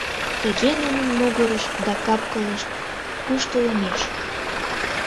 Тыге нунын могырышт да кап-кылышт куштылемеш.